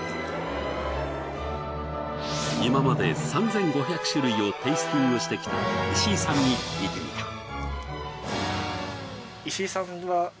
今まで３，５００種類をテイスティングしてきた石井さんに聞いてみた。